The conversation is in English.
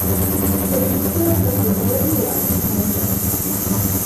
The details of her early life are unknown.